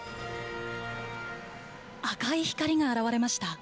赤い光が現れました。